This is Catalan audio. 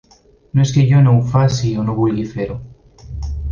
No és que jo no ho faci o no vulgui fer-ho.